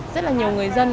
rất là nhiều người dân